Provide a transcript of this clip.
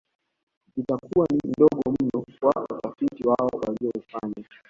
Zitakuwa ni ndogo mno kwa utafiti wao walioufanya